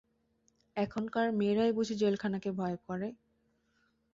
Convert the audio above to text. এখনকার মেয়েরাই বুঝি জেলখানাকে ভয় করে?